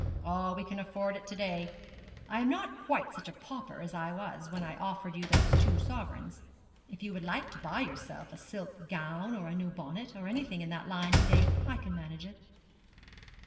'Oh, we can afford it to day. I am not quite such a pauper as I was when I offered you those two sovereigns. If you would like to buy yourself a silk gown or a new bonnet, or anything in that line to day, I can manage it.'